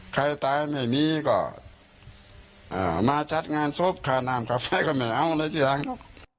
ใครตายไม่มีก็เอ่อมาจัดงานศพคานามกาแฟก็ไม่เอาอะไรที่หลังเนอะ